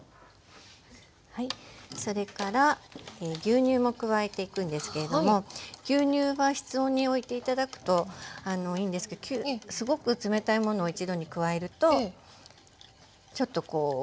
それから牛乳も加えていくんですけれども牛乳は室温において頂くといいんですけどすごく冷たいものを一度に加えるとちょっとこうモロモロッと。